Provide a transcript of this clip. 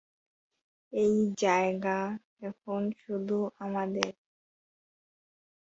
এই জায়গা এখন শুধুই আমাদের।